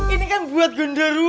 ini kan buat gender wo